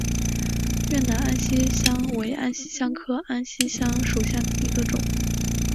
越南安息香为安息香科安息香属下的一个种。